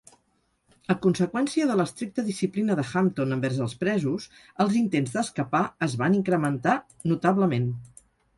A conseqüència de l'estricta disciplina de Hampton envers els presos, els intents d'escapar es van incrementar notablement.